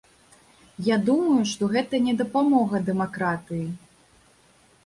Я думаю, што гэта не дапамога дэмакратыі.